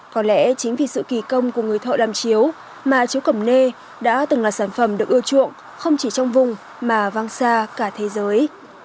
có lẽ chính vì sự kỳ công của người thợ làm chiếu mà chiếu cẩm nê đã từng là sản phẩm được ưa chuộng không chỉ trong vùng mà văng xa cả thế giới